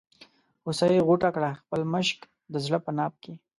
هوسۍ غوټه کړه خپل مشک د زړه په ناف کې.